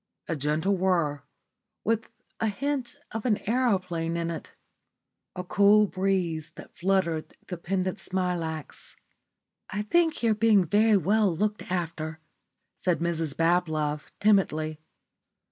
A gentle whirr, with a hint of an aeroplane in it. A cool breeze that fluttered the pendent smilax. "I think you're being very well looked after," said Mrs Bablove, timidly.